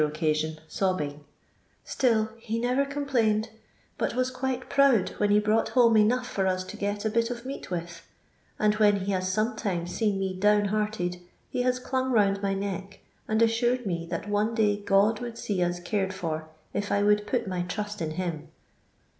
occasion, sobbing; "still he never complained, but was quite proud when he broiu'ht hoTn<< enough for us to get a bit of meat with ; and when he has sometimes seen me down hearted, he has clung round my neck, and assured mt' that one day God would see us cared for if 1 would put my trust ia Him."